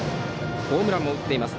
ホームランも打っています。